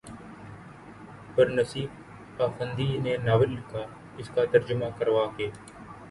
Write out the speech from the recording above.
پر نسیب آفندی نے ناول لکھا، اس کا ترجمہ کروا کے